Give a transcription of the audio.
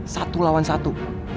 satu lawan satu